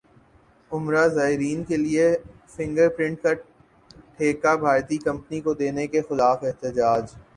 عمرہ زائرین کیلئے فنگر پرنٹ کا ٹھیکہ بھارتی کمپنی کو دینے کیخلاف احتجاج